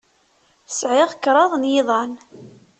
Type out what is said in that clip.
Sɛiɣ kraḍ n yiḍan.